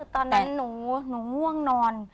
ตอนนั้นหนูง่วงนอน